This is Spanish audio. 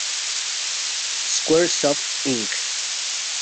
Square Soft, Inc.